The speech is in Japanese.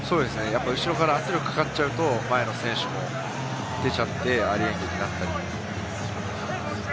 後ろから圧力がかかっちゃうと、前の選手も出ちゃって、アーリーエンゲージになったりしますね。